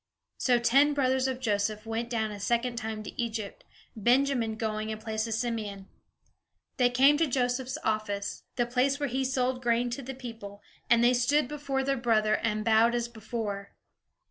So ten brothers of Joseph went down a second time to Egypt, Benjamin going in place of Simeon. They came to Joseph's office, the place where he sold grain to the people; and they stood before their brother, and bowed as before.